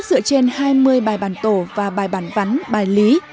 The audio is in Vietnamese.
dựa trên hai mươi bài bản tổ và bài bản vắn bài lý